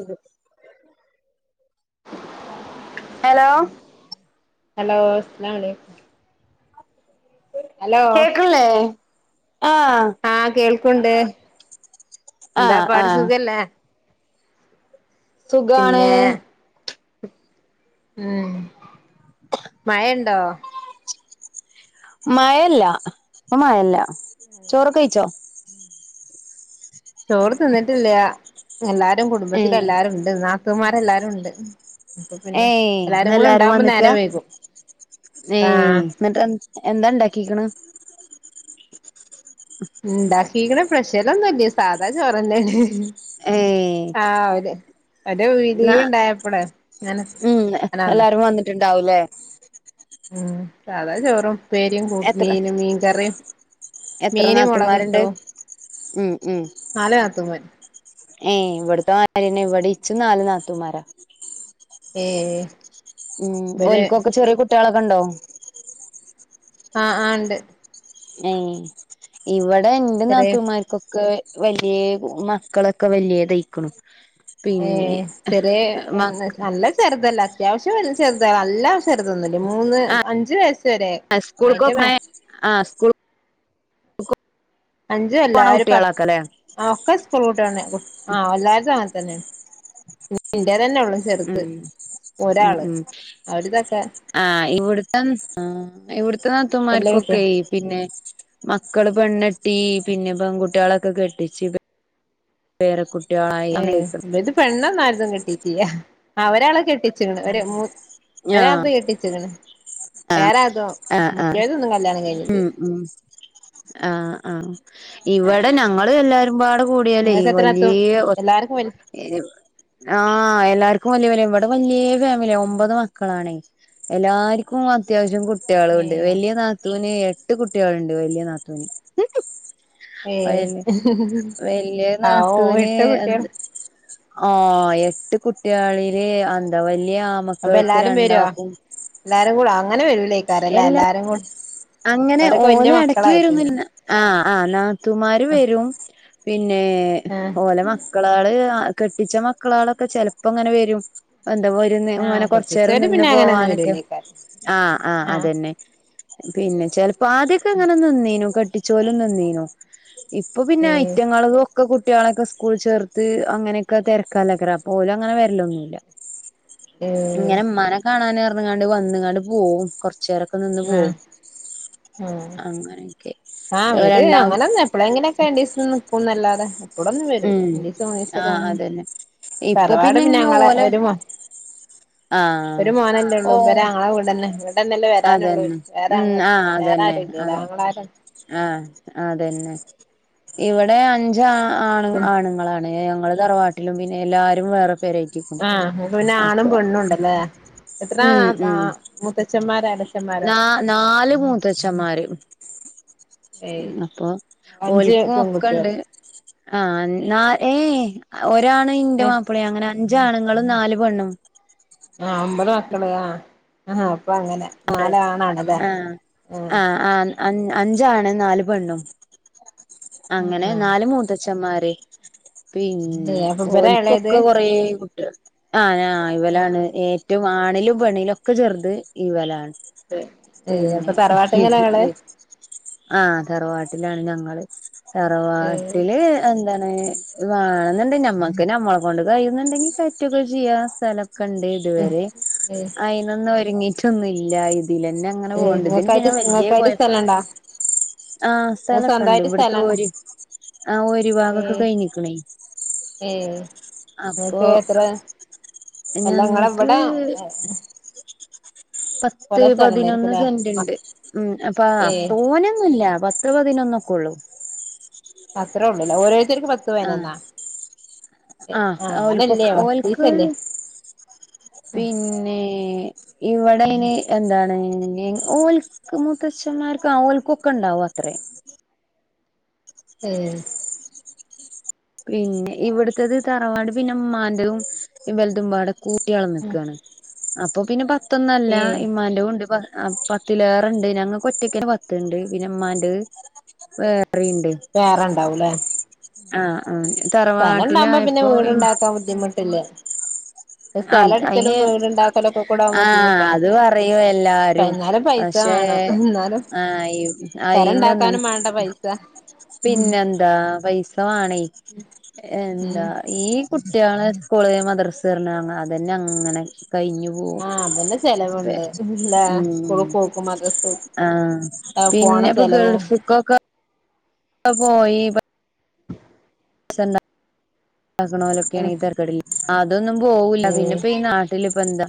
അതെ hello hello അസ്‌ലാമും അലൈകും കേക്കണില്ലേ ആഹ് ആഹ് കേൾക്കണ്ട് എന്താ ആഹ് പാട് ആഹ് സുഖല്ലേ സുഖാണ് പിന്നെ ഉം മയണ്ടോ മയല്ല ഇപ്പം മയല്ല ചോറൊക്കെ കയിച്ചോ ചോറ് തിന്നിട്ടില്ല എല്ലാരും കുടുംബത്തില ഏഹ് എല്ലാരുംണ്ട് നാത്തൂമ്മാരെല്ലാരും ഉണ്ട് അപ്പൊ പിന്നെ ഏയ് എല്ലാരും കൂടെ ഇന്നെല്ലാരും ഉണ്ടാവുമ്പോ വന്നിക്ക നേരം വൈകും ഏയ് ആഹ് എന്നിട്ട എന്താ ഇണ്ടാക്കിക്ക്‌ണ് ഇണ്ടാക്കീക്കണ് പ്രഷലൊന്നുല്ല സാധാ ചോറന്നെയണ് ഏയ് ആഹ് ആവിലേ ന്നാ അങ്ങനെ ഉം അങ്ങനെ വന്ന എല്ലാരും വന്നിട്ടുണ്ടാവൂലേ ഉം സാധാ ചോറും ഉപ്പേരിം കൂ എത്ര മീനും മീൻകറിം എത്ര മീന് നാത്തൂമാരുണ്ട് മൊളകിട്ടു ഉം ഉം നാല് നാത്തൂന്മാര് ഏഹ് ഇവ്ടത്തെമാരി തന്നെ ഇവിടെ ഇച്ചും നാല് നാത്തൂമ്മാര ഏഹ് ഉം ഓല്ക്കോക്കെ ചെറിയ കുട്ടികളൊക്കെണ്ടോ ആഹ് ആഹ് ണ്ട് ഏ ഇവിടെ ഇന്റെ ചെറിയ നാത്തൂന്മാർക്കൊക്കെ വലിയ മക്കളൊക്കെ വലിയ തയ്ക്കണ് ഏ ചെറിയ നല്ല ചെറുതല്ല അത്യാവശ്യം വല്ല ചെറുത നല്ല ചെറുതോന്നോല്ല മൂന്ന് അഞ്ചു വയസ് വരെ അയിന്റെ മേ ആ സ്കൂൾ അഞ്ചു അല്ല പോണ ഒര് പത്ത് കുട്ടികളാക്കല്ലേ ആ ഒക്കെ സ്കൂൾ കൂട്ടിയ ആ എല്ലാര്ത്തും അങ്ങനെ തന്നെയാണ് പിന്ന ഇന്റെ തന്നെ ഉള്ളു ഉം ഉം ഉം അവരിതൊക്കെ ആ് ഇവിടുത്തെന്ന് ഇവിടത്തെ വല്യ കുട്ടിയ നാത്തൂൻമ്മാർക്കൊക്കെ പിന്നെ മക്കള് പെണ്ണട്ടി പിന്നെ പെൺകുട്ടികളൊക്കെ കെട്ടിച്ച് പേരക്കുട്ടികളായി ഏ അങ്ങനെയിരിക്കണ് ഇ ഇത് പെണ്ണൊന്നാരതും കെട്ടിട്ടിയ ഒരാളെ കെട്ടിച്ചണ് ഒ ആഹ് ഒരാത കെട്ടിച്ചണ് ആഹ് വേറെതോ ആഹ് ആഹ് മറ്റേതൊന്നും കല്യാണം കഴിഞ്ഞിട്ട് ഉം ഉം ആഹ് ആഹ ഇവിടെ ഞങ്ങ എല്ലാരും പാട അടെ കൂടിയാലേ നിങ്ങൾക്ക് എത്ര എത്തും വലിയ ഒ എല്ലാർക്കും വല് ആ്ഹ് എല്ലാർക്കും വലിയ വലിയ ഇവിടെ വലിയ ഫാമിലിയ ഒമ്പത് ആണേ എല്ലാർക്കും അത്യാവശ്യം ഏ കുട്ടികളുണ്ട് വലിയ നാത്തുവിന് എട്ട് കുട്ടികളുണ്ട് വലിയ നാത്തുവിന് ഏ വല് വല്യ ആ ഓ നാതുവിന് എട്ട് കുട്ടികൾ എന്ത് ആ എട്ട് കുട്ടികളില് അന്ത വല്യ അപ്പൊ എല്ലാരും വരുവാ എല്ലാരും കൂട അങ്ങനെ വരൂ എല്ലാ അങ്ങനെ അവരൊക്കെ വല്യ ഓല ഇടക്കി മക്കളായിട്ടുണ്ട് വരുന്നില്ല ആഹ ആ നാത്തുമാര് വരും പിന്നെ ആ ഓലെ മക്കാ മക്കളാള് കെട്ടിച്ച മക്കളാളൊക്കെ ചെപ്പോ അങ്ങനെ വരും എന്താ ആ ഇങ്ങനെ കൊറച്ചേര കെട്ടിച്ചോര് നിന്ന് പിന്നെ അങ്ങനൊന്നും പോവാനൊക്കെ വരൂലേക്കാരം ആ ആ അതന്നെ പിന്നെ ചെലപ്പോ ആദ്യൊക്കെ അങ്ങനെ നീന്നീനോ കട്ടിച്ചോലും നിന്നീനോ ഇപ്പൊ പിന്നെ ഏ ഐറ്റങ്ങ ഒക്കെ കുട്ടികളൊക്കെ സ്കൂൾ ചേർത്ത് അങ്ങനെയൊക്കെ തിരക്കല്ലക്കരാ പോലും അങ്ങനെ വരല്ലൊന്നുമല്ല ഏഹ് ഇങ്ങനെമാനെ കാണാന ഇറന്ന്ങ്ങാണ്ട് വന്നങ്ങാണ്ട് പോകും കൊറച്ചുരൊക്കെ അപ്പൊ നിന്ന് ആ പോ അങ്ങനെയൊക്കെ ആഹ് അവര് രണ്ടാമ അങ്ങനെന്ന എപ്പളെ എങ്ങനെയൊക്കെ രണ്ടസം നിക്കൂന്ന്ല്ലാതെ ഇടൊന്നും വരുല ഉം വെല്ലുച്ച മരിച്ചപൊ ആഹ് വന്നേ അതന്നെ ഇപ്പൊ തറവാട് പിന്നെ ഇങ്ങനെ ഞങ്ങളെ ഓലെ ഒരു മോൻ ഒരു ആഹ് മോനല്ലേ ഓ ഉള്ളൂ വരെ ഇവിടെന്നെ ഇടെന്നെല്ലേ വരാനുള്ളൂ അതന്നെ വേറെ വേറെ ആരുല്ലാ ന്തൊരു ആങ്ങളമാര ആഹ അതന്നെ ഇവിടെ അഞ്ച് ആണു ആണുങ്ങളാണ് ഞങ്ങള് തറവാട്ടിലും പിന്നെ എല്ലാരും വേറെ പേരായിട്ട ആഹ് അപ്പൊ പിന്നെ ആണും പെണ്ണുണ്ടല്ലേ എത്ര ഉം ആ ഉം മുത്തച്ഛന്മാരോ അടച്ചന്മാരോ ആഹ് നാ നാല് മൂത്തച്ഛന്മാര് അപ്പൊ ഓൽക്കും ഒക്കെ പെൺകുട്ടികൾ ഇണ്ട് ആഹ് നാ ഏ ഒരാണു ഇന്റെ ഏഹ് മാപ്പിളയ അങ്ങനെ അഞ്ചാണുങ്ങളും നാല് പെണ്ണും ആ അമ്പത് മക്കള് ആഹ് ആഹ് അപ്പ അങ്ങനെ നാല ആണാണല്ലെ ആഹ് ആൻ അഞ്ച് ആണും നാല് പെണ്ണും ആഹ് അങ്ങനെ ആഹ് നാല് മൂത്താച്ഛൻ. ഏട്ടന്മാരെ പിന്നെ ഏഹ് അപ്പൊ ഇവരാ ഓലുക്ക് എളയത് ഒക്കെ കൊറെ കുട്ടികൾ ആഹ് ഏഹ്. ഇവലാണ് ആഹ് ഏറ്റവും ആണിലും പെണ്ണിയിലും ഒക്കെ ചെറുത് ഇവലാണ്. ഏഹ് അപ്പൊ പിന്നെ തറവാട്ടിങ്ങലാ ഇങ്ങള് ഏഹ് ആഹ് തറവാട്ടിലാണ് ഞങ്ങള് ഏഹ് തറവാട്ടില്. എന്താണ് വേണെന്ന് ഉണ്ടാൽ ഞമ്മക്ക് നമ്മളെ കൊണ്ട് കഴിയുന്നുണ്ടെങ്കിൽ കയറ്റുയൊക്കെ ചെയ്യാം, സ്ഥലയൊക്കെ ഉണ്ട്. ഇതുവരെ ഏഹ് അയിനൊന്നും ഒരുങ്ങിട്ടൊന്നുല്ല ഇതില് തന്നെ. അങ്ങനെ ഏഹ് പോണ്ട്, ഇതിന് ഇങ്ങക്കായിട്ട് വേണം വെല്യ ഇങ്ങക്കായിട്ട് കുഴപ്പം. സ്ഥലണ്ടാ ആഹ് ഇങ്ങക്ക് സ്ഥലയൊക്കെ ഉണ്ട്, സ്വന്തായിട്ട് ഇവിടുത്തെ സ്ഥലണ്ടാ ഓര്, ആഹ് ഒരു ഭാഗമൊക്കെ ഏഹ് കഴിഞ്ഞിക്കണേ. ഏഹ് അപ്പൊ നിങ്ങൾക്ക് എത്ര അല്ല നിങ്ങള് ഞങ്ങക്ക് എവിടെ ഏഹ്. പത്ത് പതിനൊന്ന് സ്ഥലണ്ടായിരിക്കുംല്ലേ സെന്റ് ഉണ്ട്, മക് ഉം അപ്പോ ഏഹ് തോനെ ഒന്നുമില്ല. ഇത്ര പതിനൊന്നൊക്കെ ഉള്ളൂ. അത്ര ഉള്ളൂ ഓരോ. ശരിക്കും പത്ത് പേരെ ആഹ് എന്നാ ഏഹ് ആഹ് ഓൽക്കൊ അങ്ങനെയല്ലേ വർക്ക് ഓൽക്ക് ഫ്രീയല്ലേ. പിന്നെ ഇവിടെ ഇനി എന്താണ് ഇനി ഓൽ. ക്ക് മുത്തച്ഛന്മാർക്കും അവലുക്കൊക്കെ ഉണ്ടാവും അത്ര. ഏഹ് പിന്നെ ഇവിടുത്തത് തറവാട് പിന്നെ ഉമ്മാൻ്റെതും ബലത് ഉമ്മടെ കൂട്ടികളും നിൽക്കുവാണ്. അപ്പൊ പിന്നെ പത്ത് ഒന്ന് അല്ല ഏഹ് ഇമ്മാന്റെ ഉണ്ട് കൊറെ. ആഹ് പത്തിലേറെയുണ്ട് ഞങ്ങൾക്ക് ഒറ്റക്ക് തന്നെ പത്തുണ്ട് പിന്നെ ഉമ്മാന്റേത്. വേറെ ഇണ്ട് വേറെണ്ടാവൂല്ലേ ആഹ് ആഹ് തറ. സ്ഥലം ഉണ്ടാക്കുമ്പോ പിന്നെ വീട് ഉണ്ടാക്കാൻ ബുദ്ധിമുട്ടല്ലേ. ആഹ് അയിന് വീടുണ്ടാക്കലൊക്കെ കൂടെ ആവുമ്പോ ആഹ് ബുദ്ധിമുട്ടാണ് അത് പറയും എല്ലാരും പ എന്നാലും പൈസ പക്ഷെ വേണം എന്നാലും ആഹ് അയിന് ഒന്നും. പെരണ്ടാക്കാനും വേണ്ട പൈസ പിന്നെന്താ പൈസ വേണേ ഉം എന്താ ഈ. കുട്ടികള് സ്കൂളിൽ മദ്രസ് വിടുന്നു അങ്ങ് അതെന്നെ അങ്ങനെ കഴിഞ്ഞു. ഓഹ് ആഹ് അതന്നെ പി ചെലവുണ്ട് ല്ലേ സ്കൂൾ ഉം. പോക്കും മദ്രസ ആഹ് പോണ പിന്നെ ഇപ്പൊ ചെലവും ഗൾഫുക്കൊക്കെ. പോയി രസം ഉണ്ടാക്കണ് പോലെ ഒക്കെയാണേ തരക്കേടില്ല, അതൊന്നും പോക്കൂല പിന്നെ ഉം ഇപ്പോ ഈ നാ നാട്ടിൽ ഇപ്പൊ എന്താ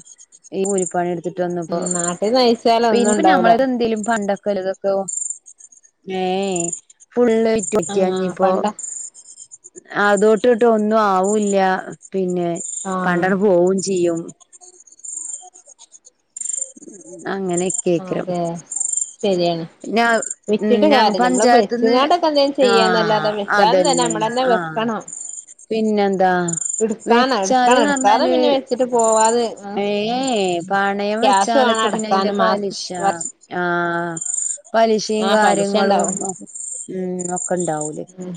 ഈ കൂലിപ്പണി എടു എടുത്തിട്ട് വന്നിപ്പോ ഉം നാട്ടിന്ന് അയച്ചാൽ പി ഒന്നും പിന്നെ ഉണ്ടാവൂല നമ്മള് ഇത് എന്തേലും പണ്ടൊക്കെ വലുത്. തോ ഏഹ് ഫുള്ള് ആയിട്ട് ആഹ് പിടിക്കാഞ്ഞിപ്പോ. പണ്ട അതൊട്ട് തോട്ട് ഒന്നും ആവൂല, പിന്നെ പണ്ട് ആഹ് അവിടെ പോവൂ ചെയ്യും. അങ്ങനെ ആഹ് അതെ ശരിയാണ്. പിന്നെ ഉം വെച്ചിട്ട് ഞാ കാര്യല്ല നമ്മള് പഞ്ചായത്ത് നിന്ന് വെച്ച്ങ്ങാണ്ടൊക്കെ എന്തേലും ചെയ്യാന്നല്ലാതെ ആഹ് വെച്ചാലും തന്നെ അതെന്നെ നമ്മളന്നെ ആഹ്. വെക്കണം പിന്നെന്താ. ഇട്ക്കാനാ വെച്ചാല് ഇട്ക്കണം എന്ന് ഇട്ക്കാതെ പറഞ്ഞാല് പിന്നെ വെച്ചിട്ട് പോവാതെ ആഹ് ഏഹ് പണയം ക്യാഷ് വെച്ചാല് വേണം ഒക്കെ. പിന്നെ അയിന്റെ അടക്കാന് മാസം പലിശ വർഷ ആഹ്. പലിശയും ആഹ് പലിശ കാര്യങ്ങളും ഇണ്ടാവും ഉം ഒക്കെ ഉണ്ടാവൂലേ. ഉം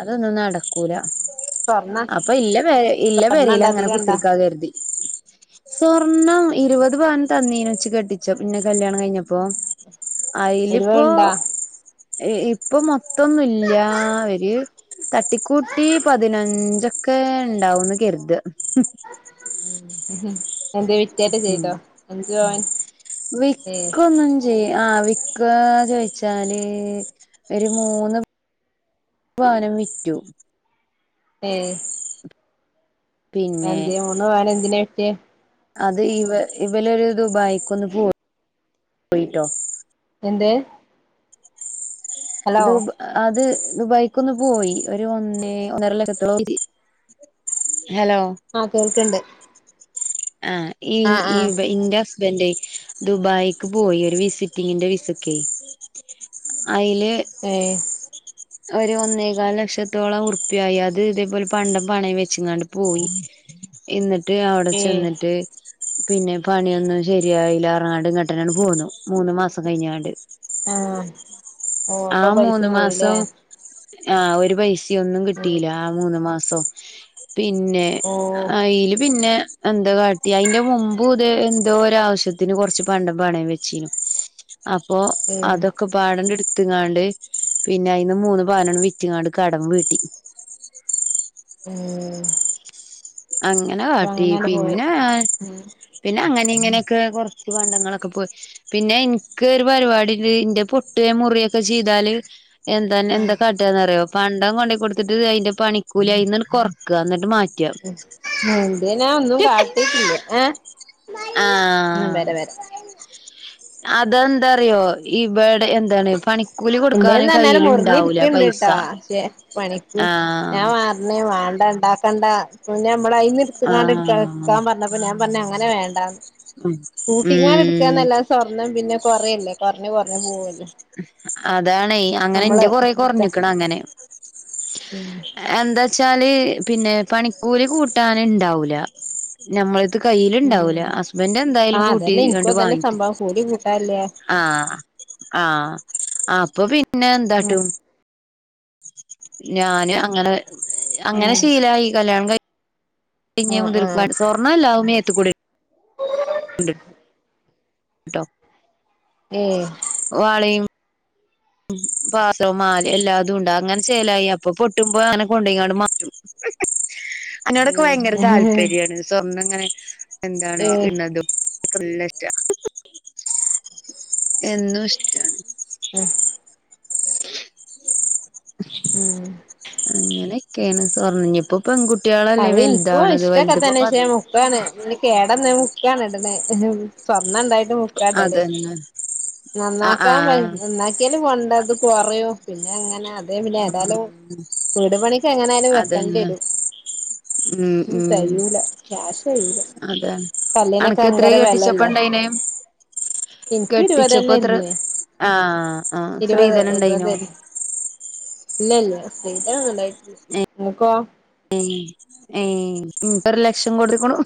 അതൊന്നും നടക്കൂല. സ്വർണ്ണ അപ്പൊ ഇല്ല പെ ഇല്ല പെരേല് സ്വർണ്ണണ്ടോ അങ്ങനെ അധികണ്ടോ കുത്തിയിരിക്കാ കരുതി. സ്വർണം ഇരുപത് പവൻ തന്നേനി എനിച്ച് കെട്ടിച്ചപ്പൊ, പിന്നെ കല്യാണം കഴിഞ്ഞപ്പോ. അയില് പ്പോ ഇരുവത്ണ്ടോ ഇപ്പൊ മൊത്തൊന്നില്ല ഒര് തട്ടിക്കൂട്ടി പതിനഞ്ചക് ഒക്കെ ഉണ്ടാവന്ന് കരുത് ഉം എന്ത വിറ്റേറ്റ ചെയ്തോ അഞ്ചു പവൻ ഏഹ് വിക്കന്ന ആഹ് വിക്കന്ന് ചോദിച്ചാല് ഒരു മൂന്ന് പവാനം വിറ്റു ഏയ് പിന്നെ എന്ത്യ [unintelligible] വിറ്റെ അത് ഇവ ഇവലൊ ഒരു ദുബായിക്ക്ന്ന് പോയി എന്ത് ഹലോ ദുബ അത് ദുബായ്ക്കൊന്ന് പോയി ഒരു ഒന്നേ ഒന്നര ലക്കത്തോള ഹലോ ആഹ് കേൾക്കണ്ട് ആഹ് ഈ ഈ ആഹ് ഇൻ്റെ ന്റെ ദുബായിക്ക് പോയി ഒരു വിസിറ്റിങ്ങിന്റെ വിസക്ക അയ്ല് ഏയ് ഒരു ഒന്നേകാല് ലക്ഷത്തോളം ഉറുപ്പിയായി അത് ഇതേപോലെ പണ്ട പണ വെച്ചാണ്ട് പോയി എന്നിട്ട് അവിടെ ഏഹ് ചെന്നിട്ട് പിന്നെ പണിയൊന്നും ശരിയായില്ല നാട് കട്ടനാണ്ട് പോന്നു മൂന്ന് മാസം കഴിഞ്ഞാണ്ട് ആഹ് ഓ ആ അപ്പൊ പൈസ മൂന്ന് പോയില്ലേ മാസം ആഹ് ഒരു പൈസയൊന്നും കിട്ടീല്ല ആ മൂന്ന് മാസോ പിന്നെ ഓഹ് അയില് പിന്നെ എന്താ കാട്ടി അതിന്റെ മുമ്പു ഇത എന്തോ ഒരു ആവശ്യത്തിന് കൊറച്ച് പണ്ട പണേ വെച്ചീനും അപ്പോ ഏഹ് അതൊക്കെ പാടണ്ട് ന്ങ്ങാണ്ട് പിന്നെ അയിന്ന് മൂന്ന് പനാണ് വിറ്റങ്ങാണ്ട് കടമ്പീട്ടി ഉം അങ്ങനെ പ്പൊ കാട്ടി അങ്ങനെയാണ്ട് പോയെ പിന്നെ ഞാൻ ആഹ് പിന്നെ അങ്ങനെ ഇങ്ങനെയൊക്കെ കുറച്ച് പണ്ടങ്ങളൊക്കെ പോയി പിന്നെ എനിക്ക് ഒരു പരിപാടിണ്ട് ന്റെ പൊട്ടുയെ മുറിയൊക്കെ ചെയ്താല് എന്താൻ എന്താ കാട്ടിയെന്നറിയോ പണ്ടൊ കൊണ്ടോ കൊടുത്തിട്ട് അയിന്റെ പണിക്കൂലി അയിന്ന് കുറക്ക എന്നിട്ട് മാ എന്ത്ന ഒന്നും കാട്ടി ആഹ് ആഹ് അതെന്താറിയോ ഈ വടെ എന്താണ് പണി എന്തേന്ന് പറന്നാല മുറിഞ്ഞി ഇരിക്കണ്ട് ട്ടോ പക്ഷെ പണിക്ക് ആഹ് ഞാൻ മാ ന്നെ ഉം വേണ്ട ണ്ടാക്കണ്ട പിന്നെ മ്മള അയന് ആഹ് എടുത്തണ്ട്ക്കാൻ പറഞ്ഞപ്പ ഞാൻ പറഞ്ഞങ്ങനെ വേണ്ടാന്ന് ഉം ഉം കൂട്ടിങ്ങാനെടുക്കാന്നല്ല സ്വർണ്ണം പിന്നെ കൊറേല്ലേ കൊറഞ്ഞ് കൊറഞ്ഞ് പോവല്ലേ അതാണ് നമ്മള് അങ്ങനെന്റെ കൊറേ ഇട്ത്തെ കുറഞ്ഞിക്കണ് അങ്ങനെ ഉം എഹ് എന്താച്ചാല് പിന്നെ പണിക്കൂലി കൂട്ടാനിണ്ടാവൂല ഞമ്മളത് കയ്ൽ ഉം ഇണ്ടാവൂല ഹസ്ബൻറ് എന്തായാലും ആഹ് കൂട്ടി അതന്നെ ഇൻക്കും കണ്ട് അതന്നെ വാങ്ങിക്കു സംഭവം കൂലി കൂട്ടാല്ല ആഹ് ആഹ് അപ്പൊ പിന്നെ ഉം എന്താട്ടും ഞാന് അങ്ങനെ അങ്ങനെ ഉം ശീലായി കല്യാണം കയ് പിഞ്ഞെ ആഹ് മുതൽക്ക് ആഹ് [unintelligible] സ്വർണ്ണല്ലാ വ്മേത്ത്ക്കൂടി ണ്ട് ട്ടോ ഏഹ് വളിം ഉം, പാസോം മാലി എല്ലാതുംണ്ട് അങ്ങൻ ചേലായി അപ്പൊ പൊട്ടുമ്പോ അങ്ങനെ കൊണ്ടൊയ്കാണ്ട് മാറ്റും. അന്നോടൊക്കെ ഭയങ്കര താല്പര്യാണ്. സ്വർണംങ്ങനെ എന്താണ് ഏഹ് ഇട്ണതും ൻക്കല്ലഷ്ടാ, എന്നും ഇഷ്ടാണ് ഉം ഉം അങ്ങനെയൊക്കേണ് സ്വർണ്ണ ഞ്ഞിപ്പോ പെൺകുട്ട്യേളല്ലേ വെൽതാണത് വൽത്പ്പം പ ക്കാണ് ഇനി കേടന്നെ മുക്കാണ് ട്ണെ സ്വർണ്ണംണ്ടായിട്ടും മുക്കാടല് [unintelligible] നന്നാക്കാൻവയ് ആഹ് നന്നാക്ക്യാലും പണ്ടത് കൊറയും. പിന്നെങ്ങന അതേ പിന്നേതാലും വീട് പണിക്കെങ്ങനാലും അതന്നെ വെക്കെണ്ട്യരും. ഉം തെയ്യൂല ക്യാഷെയ്യൂല. അതാണ് കല്ലിനൊക്കെ അനക്ക് എത്രേ ഭയങ്കര കെട്ടിച്ചപ്പ വെലല്ലേ, ഇണ്ടായിനെ ഇൻക്ക് ഇരുവ കെട്ടിച്ചപ്പോ എത്ര തന്നെല്ലേ ആഹ് ആഹ് ഇരുവത് സ്ത്രീധനം ഇരുവത് ഇണ്ടായിനോ [unintelligible] ഇല്ലല്ല്യ, സ്ത്രീധനൊന്നുണ്ടായിട്ടില്ല ഇങ്ങക്കോ ഏഹ് ഏഹ് ഇൻക്കൊരുലക്ഷം കൊട്ത്ത്ക്ക്ണു.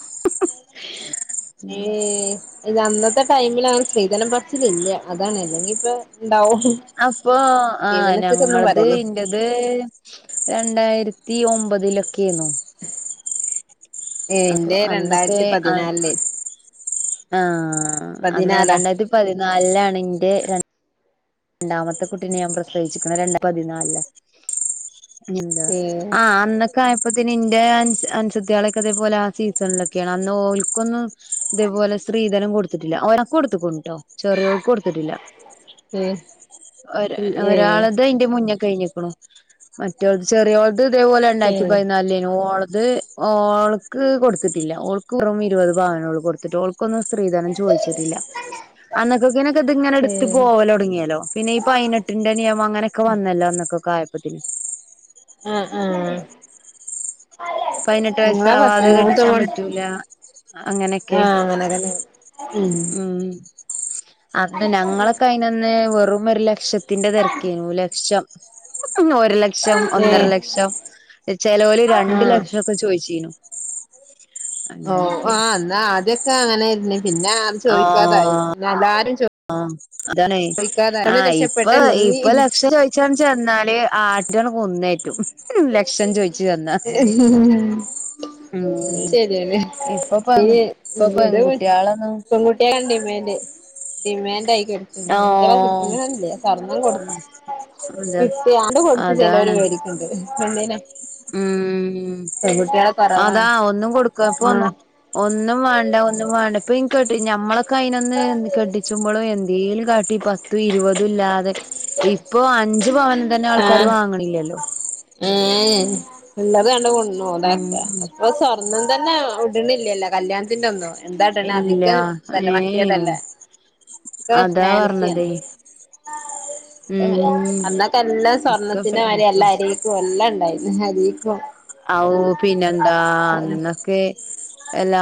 ഏഹ് ല്ല അന്നത്തെ ടൈമിലാനെ സ്ത്രീധനം പറച്ചിലില്ല്യ അതാണ് അല്ലെങ്കി പ്പൊ ണ്ടാവും. അപ്പോ ആഹ് നങ്ങളത് ഇൻ ൻ്റെത് രണ്ടായിര്ത്തി ഒമ്പതിലൊക്കെയ്ന്നു. ഏഹ്, ന്റെ അന്നൊക്കെ രണ്ടായിര്ത്തി പതിനാൽ ലേ ആഹ് അന്ന് പതിനാലാ രണ്ടായിര്ത്തി പതിനാൽ ലാണ് ഇന്റെ ര ണ്ടാമത്തെ കുട്ടിനെ ഞാൻ പ്രസവിച്ചിക്ക്ണ് രണ്ട പതിനാൽ ലാ ഞ്ഞെന്താ ഏ ആഹ് അന്ന് കായപ്പത്തിന് ഇന്റെ അനൻസ അൻസ ത്ത്യാളെക്കെ തേപോലെ ആ സീസൺലൊക്കെയാണ് അന്ന് ഓൽക്കൊന്നും തേപോലെ സ്ത്രീധനം കൊട്ത്തിട്ടില്ല. ഓരാക്കു കൊടുത്തുക്കുണുട്ടോ ചെറിയോൾക്ക് കൊട്ത്തിട്ടില്ല. ഏ ഒര ഏ ഒരാളത് അയ്ൻ്റിം മുന്നെ കയിഞ്ഞിക്ക്ണു മറ്റൊൾ ചെറിയോൾത് ഇതേപോലെ ഏ രണ്ടായിര്ത്തി പതിനാൽലേനു ഓളത് ഓൾക്ക് കൊട്ത്തിട്ടില്ല ഓൾക്ക് വെറും ഇരുപത് പവനൊള്ളു കൊട്ത്തിട്ട് ഓൾ ക്കൊന്നും സ്ത്രീധനം ചോയിച്ചിട്ടില്ല. അന്നൊക്കക്കിനൊക്കെ ത് ങ്ങനെ ഏ ട്ത്ത് പോവലൊട്ങ്ങിയ ല്ലോ പിന്നെ ഈ പൈനെട്ടിന്റെ നിയമം അങ്ങനൊക്കെ വന്നല്ലോ അന്നൊക്കെകായപ്പത്തിന് ആഹ് ആഹ് പയ്നെട്ട് വയസ്സാവാതെ കെട്ടിച്ചാൻ പറ്റൂലാ ആ അങ്ങനെക്കെ, അങ്ങനെതന്നെ ഉം അന്ന്‌ ഞങ്ങളൊക്കെ അയിനന്ന് വെറുമൊരു ലക്ഷത്തിന്റെ തെരക്കെയ്നു ലക്ഷം ഒരു ലക്ഷം ഏ ഒന്നര ലക്ഷം ചെലോല് രണ്ട് ല ആ പ്പ ചോയ്ച്ചീനു ഓഹ് ആഹ് ആഹ് എന്നാ ആദ്യൊക്കെ അങ്ങ നെയ്ര്ന്നി പിന്നെ അത് ചോയിക്കാതായി ആഹ് എല്ലാരും ചോ ആഹ് അതാപർഞ്ഞെയ് ചോദിക്കാതായി അവള് ആഹ് ഇപ്പൊ രക്ഷപ്പെട്ടല്ലെങ്കി ഇപ്പൊ ലക്ഷം ചോയ് ഛം ചെന്നാല് ആടള്കുന്നേറ്റും ലക്ഷം ചോയിച്ചു വന്നാ ഉം ശരിയാണ് ഇപ്പൊ പെ ഈ ഇപ്പൊ പെൺകുട്ടിയളൊന്നും ട്ടിയാള് ഡിമാൻഡ് ഡിമാൻഡ് ആയി കുട്ടികളെ ആഹ് കിട്ടുന്നില്ല സ്വർണം കൊടു അതാ കിട്ടിയാണ്ട് കൊടുത്ത് ചിലവർ അതാണ് മേടിക്കണ്ട് കണ്ടെന്നോ ഉം അതാ കൊറവാണ് ഒന്നും കൊടുക്കപ്പൊ ആഹ് ഒന്നും വേണ്ട ഒന്നും വേണ്ട ഇപ്പൊ ഇനി കേട്ട ഞമ്മളെ ക്കായിനൊന്നു കെടിച്ചുമ്പോളും എന്തേങ്കലും കാട്ടി പ പത്തും ഇരുപതും ഇല്ലാതെ ഇപ്പൊ അഞ്ച് പവന് തന്നെ ആൾക്കാര് വാങ്ങണില്ലല്ലോ ആഹ് ഉള്ളത് കണ്ട് കൊണ്ട് അതക്കെ ഉം ഇപ്പ സ്വർണ ഒന്നും തന്നെ ഇടണില്ലല്ലോ കല്യാണത്തിന്റെ അന്നും എന്താ ഇടണ ഇല്ല അധികം ഇതല്ല ഏ മറ്റിയതല്ലേ ഒക്കെ അതാ ഫാൻസിയാണ് പറഞ്ഞതേ ഉം അന്നൊക്കെ എല്ലാ ഒക്കെ സ്വർണ്ണത്തിന്മാതിരി ഫാൻസി എല്ലരെയും ക്കും എല്ലാം ഇണ്ടായിനി അരീക്കും ഔ പിന്നെന്താ അന്നൊക്കെ എല്ലാ